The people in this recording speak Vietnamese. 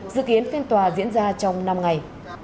dự kiến phiên tòa diễn ra trong năm ngày